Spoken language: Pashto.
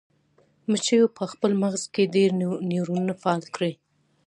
مچیو په خپل مغز کې ډیر نیورونونه فعال کړل.